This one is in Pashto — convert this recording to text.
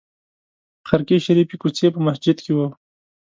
په خرقې شریفې کوڅې په مسجد کې وه.